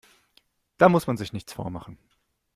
Da muss man sich nichts vormachen.